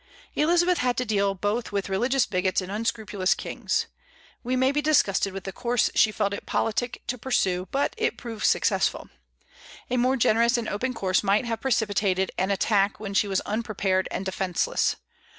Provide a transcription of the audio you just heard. Elizabeth had to deal both with religious bigots and unscrupulous kings. We may be disgusted with the course she felt it politic to pursue, but it proved successful. A more generous and open course might have precipitated an attack when she was unprepared and defenceless.